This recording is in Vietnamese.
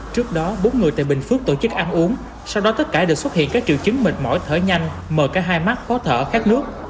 trước đó bốn người tại bình phước tổ chức ăn uống sau đó tất cả đều xuất hiện các triệu chứng mệt mỏi thở nhanh mờ cả hai mắt khó thở khát nước